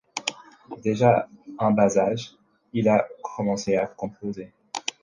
Déjà en bas âge, il a commencé à composer.